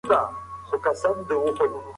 حبشي ځوان د تاریخ په پاڼو کې یو نېک سړی پاتې شو.